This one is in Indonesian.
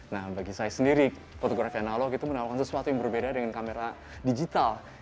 nah bagi saya sendiri fotografi analog itu menawarkan sesuatu yang berbeda dengan kamera digital